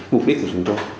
mục đích của chúng tôi